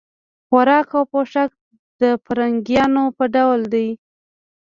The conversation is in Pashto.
خوراک او پوښاک د فرنګیانو په ډول دی.